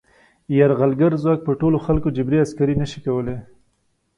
یرغلګر ځواک په ټولو خلکو جبري عسکري نه شي کولای.